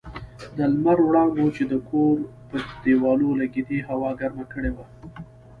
د لمر وړانګو چې د کورو پر دېوالو لګېدې هوا ګرمه کړې وه.